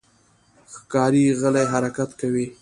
ښکاري غلی حرکت کوي.